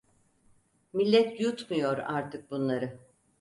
Millet yutmuyor artık bunları.